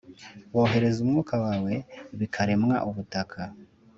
Wohereza Umwuka Wawe Bikaremwa Ubutaka